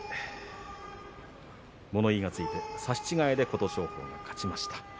物言いがついて差し違えで琴勝峰が勝ちました。